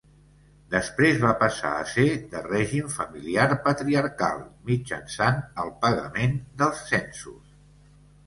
Després va passar a ser de règim familiar patriarcal, mitjançant el pagament dels censos.